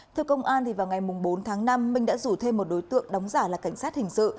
theo công an vào ngày bốn tháng năm minh đã rủ thêm một đối tượng đóng giả là cảnh sát hình sự